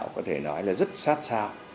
có thể nói là rất sát xa